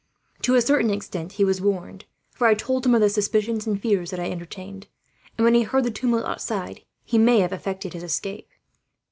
To a certain extent he was warned, for I told him the suspicions and fears that I entertained; and when he heard the tumult outside, he may have effected his escape."